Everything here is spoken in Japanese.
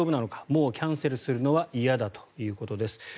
もうキャンセルするのは嫌だということです。